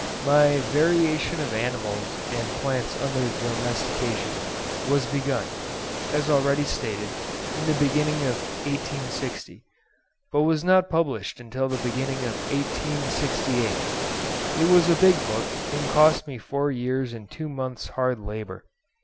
My 'Variation of Animals and Plants under Domestication' was begun, as already stated, in the beginning of 1860, but was not published until the beginning of 1868. It was a big book, and cost me four years and two months' hard labour.